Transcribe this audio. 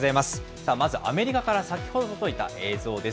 さあ、まず、アメリカから先ほど届いた映像です。